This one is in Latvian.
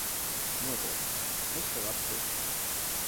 Noteikti, es tev apsolu.